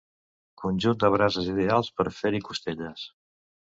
Conjunt de brases ideals per fer-hi costelles.